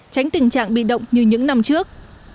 tránh tình trạng bị động như những năm trước